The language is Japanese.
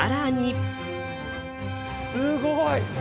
すごい！